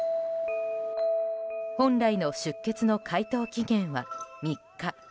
本来の出欠の回答期限は３日。